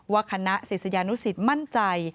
คณะศิษยานุสิตมั่นใจ